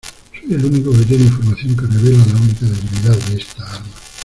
Soy el único que tiene información que revela la única debilidad de esta arma.